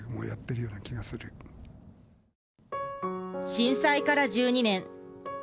震災から１２年。